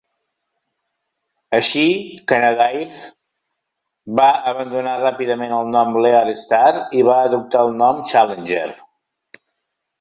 Així, Canadair va abandonar ràpidament el nom "LearStar" i va adoptar el nom "Challenger".